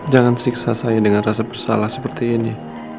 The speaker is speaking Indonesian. jangan siksa saya dengan rasa bersalah seperti ini